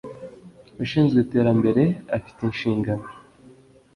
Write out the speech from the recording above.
Ushinzwe iterambere afite inshingano.